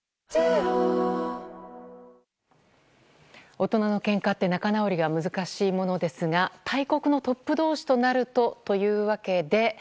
大人のけんかって仲直りが難しいものですが大国のトップ同士となるとというわけで。